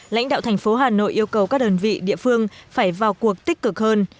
lãnh đạo tp hà nội yêu cầu các đơn vị địa phương phải vào cuộc tích cực hơn